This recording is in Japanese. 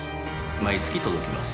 毎月届きます。